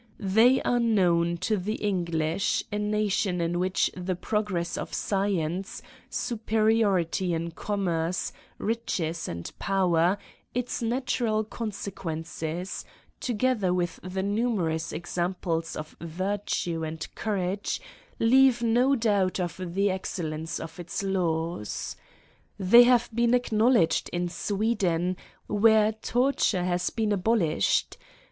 They are known to the English a nation in which the progress of science, superi ority in commerce, riches, and power, its natural consequences, together with the numerous exam ples of virtue and courage, leave no doubt of the excellence of its laws. They have been acknow ledged in Sweden, where torture has been abolish ed.